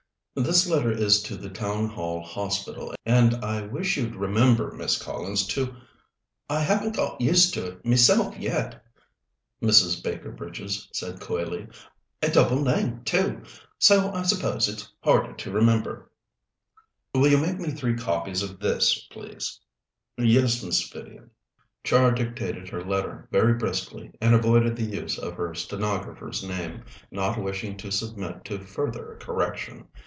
This letter is to the Town Hall Hospital, and I wish you'd remember, Miss Collins, to " "I haven't got used to it meself yet," Mrs. Baker Bridges said coyly. "A double name, too, so I suppose it's harder to remember." "Will you make me three copies of this, please?" "Yes, Miss Vivian." Char dictated her letter very briskly, and avoided the use of her stenographer's name, not wishing to submit to further correction.